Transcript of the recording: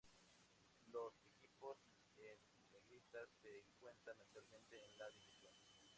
Los equipos en negrita se encuentran actualmente en la división.